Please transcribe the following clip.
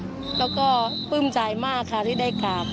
มหาชัยค่ะแล้วก็ปื้มใจมากค่ะที่ได้กลับ